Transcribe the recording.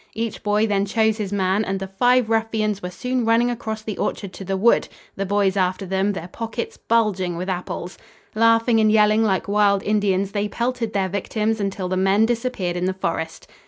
Each boy then chose his man and the five ruffians were soon running across the orchard to the wood, the boys after them, their pockets bulging with apples. Laughing and yelling like wild Indians, they pelted their victims until the men disappeared in the forest.